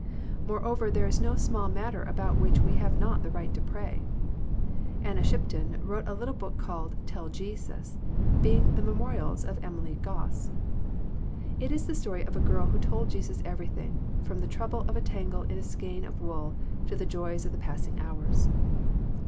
Moreover there is no small matter about which we have not the right to pray. Anna Shipton wrote a little book called Tell Jesus, being the memorials of Emily Goss. It is the story of a girl who told Jesus everything, from the trouble of a tangle in a skein of wool to the joys of the passing hours.